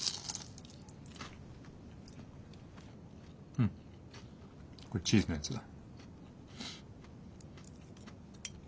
うんこれチーズのやつだ。